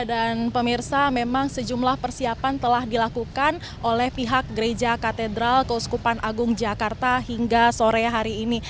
dan pemirsa memang sejumlah persiapan telah dilakukan oleh pihak gereja katedral kauskupan agung jakarta hingga sore hari ini